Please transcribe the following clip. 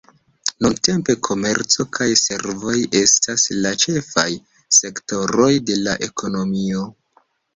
Nuntempe komerco kaj servoj estas la ĉefaj sektoroj de la ekonomio.